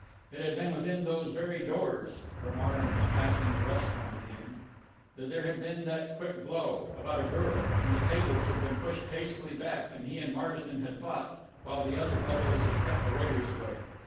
It had been within those very doors (Romarin was passing the restaurant again) that there had been that quick blow, about a girl, and the tables had been pushed hastily back, and he and Marsden had fought, while the other fellows had kept the waiters away....